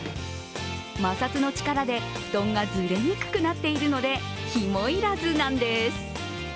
摩擦の力で布団がずれにくくなっているので、ひも要らずなんです。